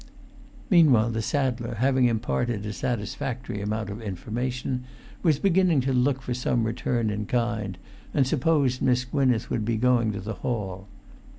Meanwhile the saddler, having imparted a satisfactory amount of information, was beginning to look for some return in kind, and supposed Miss Gwynneth would be going to the hall.